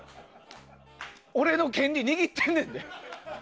俺の権利、握ってんねんで。